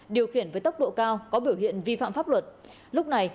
điều khiển với tốc độ cao có biểu hiện vi phạm pháp luật